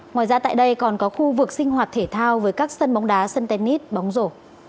ngoài ra tại đây còn có khu vực sinh hoạt thể thao với các sân bóng đá centit bóng rổ